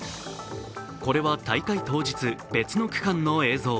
これは大会当日、別の区間の映像。